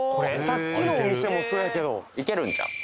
さっきのお店もそやけどいけるんちゃう？